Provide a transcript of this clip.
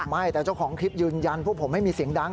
ไม่แต่เจ้าของคลิปยืนยันพวกผมไม่มีเสียงดัง